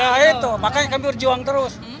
ya itu makanya kami berjuang terus